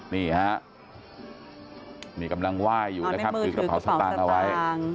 นี่ฮะนี่กำลังไหว้อยู่นะครับถือกระเป๋าสตางค์เอาไว้